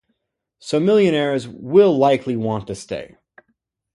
So millionaires will likely want to stay.